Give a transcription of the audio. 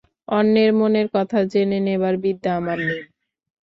অন্যের মনের কথা জেনে নেবার বিদ্যা আমার নেই।